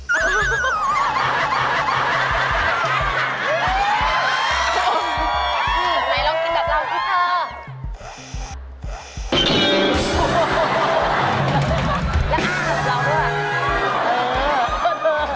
ไม่ลองกินแบบเราพี่เธอ